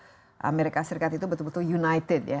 untuk membuat amerika serikat itu betul betul united ya